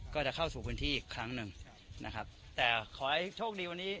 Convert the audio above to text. ก็จะเข้าสู่พื้นที่อีกครั้งหนึ่งใช่นะครับแต่ขอให้โชคดีวันนี้